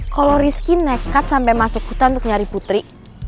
kalau rizky nekat sampai masuk hutan untuk nyari putri